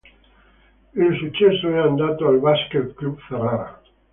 Il successo è andato al Basket Club Ferrara.